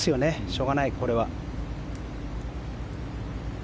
しょうがない、これは。